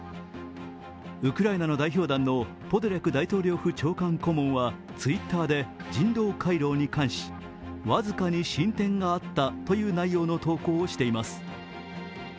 ウクライナの代表団のポドリャク大統領府長官顧問はＴｗｉｔｔｅｒで、人道回廊に関し僅かに進展があったという内容の投稿をしています。